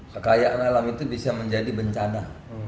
kekayaan alam itu bisa menjadi bencana